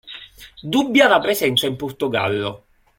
Dubbia la presenza in Portogallo.